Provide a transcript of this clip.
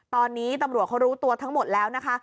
ตอนนี้ตำรวจเขารู้ตัวทั้งหมดแล้วนะคะ